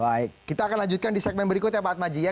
baik kita akan lanjutkan di segmen berikutnya pak atmaji ya